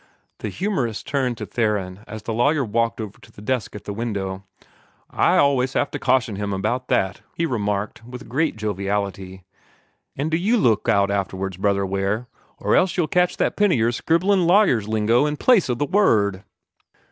The humorist turned to Theron as the lawyer walked over to the desk at the window. "I allus have to caution him about that," he remarked with great joviality. "An' do YOU look out afterwards, Brother Ware, or else you'll catch that pen o' yours scribblin' lawyer's lingo in place o' the Word."